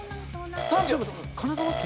神奈川県。